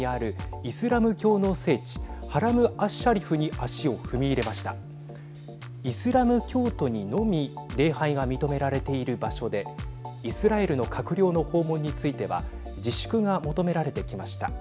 イスラム教徒にのみ礼拝が認められている場所でイスラエルの閣僚の訪問については自粛が求められてきました。